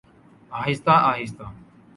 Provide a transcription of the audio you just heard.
آہستہ آہستہ۔